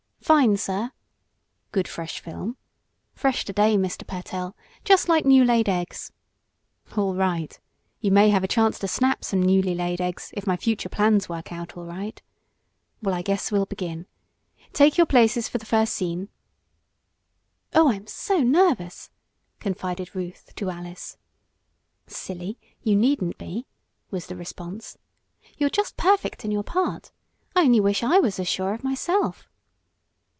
"Fine, sir." "Good fresh film?" "Fresh to day, Mr. Pertell just like new laid eggs." "All right. You may have a chance to snap some newly laid eggs if my future plans work out all right. Well, I guess we'll begin. Take your places for the first scene." "Oh, I'm so nervous!" confided Ruth to Alice. "Silly! You needn't be!" was the response. "You're just perfect in your part. I only wish I was as sure of myself."